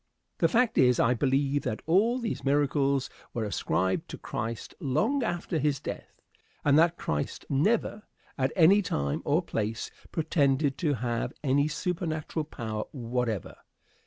The fact is, I believe that all these miracles were ascribed to Christ long after his death, and that Christ never, at any time or place, pretended to have any supernatural power whatever.